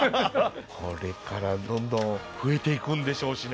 これからどんどん増えていくんでしょうしね。